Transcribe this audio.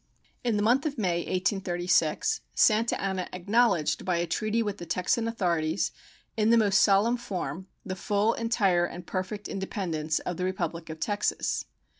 In the month of May, 1836, Santa Anna acknowledged by a treaty with the Texan authorities in the most solemn form "the full, entire, and perfect independence of the Republic of Texas."